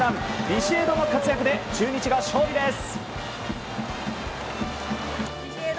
ビシエドの活躍で中日が勝利です。